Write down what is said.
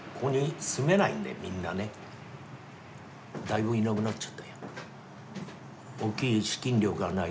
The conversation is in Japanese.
だいぶいなくなっちゃったよ。